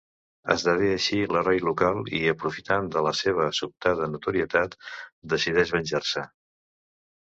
Esdevé així l'heroi local i, aprofitant de la seva sobtada notorietat, decideix venjar-se.